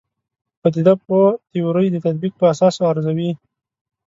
پدیده پوه تیورۍ د تطبیق په اساس ارزوي.